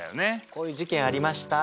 こういう事件ありました。